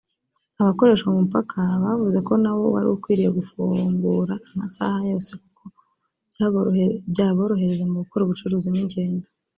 Abakoresha uwo mupaka bavuze ko nawo wari ukwiriye gufungura amasaha yose kuko byaborohereza mu gukora ubucuruzi n’ingendo